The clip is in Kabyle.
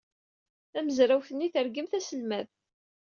Tamezrawt-nni tergem taselmadt.